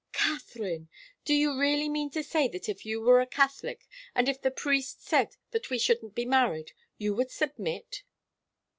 "Katharine! Do you really mean to say that if you were a Catholic, and if the priests said that we shouldn't be married, you would submit?"